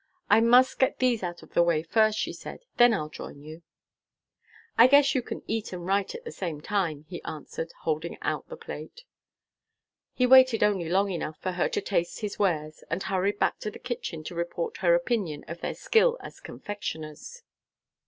"I must get these out of the way first," she said. "Then I'll join you." "I guess you can eat and write at the same time," he answered, holding out the plate. He waited only long enough for her to taste his wares, and hurried back to the kitchen to report her opinion of their skill as confectioners.